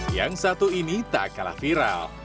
yang satu ini tak kalah viral